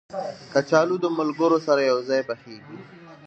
کچالو د ملګرو سره یو ځای پخېږي